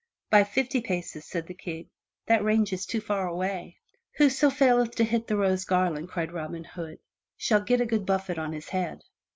"By fifty paces," said the King, "that range is too far away." "Whoso faileth to hit the rose garland," cried Robin Hood, "shall get a good buffet on his head!"